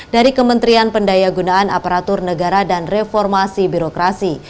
dari kementerian pendaya gunaan aparatur negara dan reformasi birokrasi